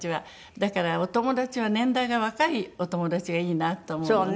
だからお友達は年代が若いお友達がいいなと思うのね。